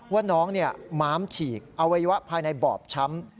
ว่าน้องม้ามฉีกอวัยวะภายในบอบช้ำ